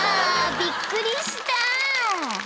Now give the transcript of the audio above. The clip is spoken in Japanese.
びっくりした］